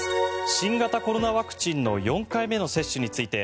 新型コロナワクチンの４回目の接種について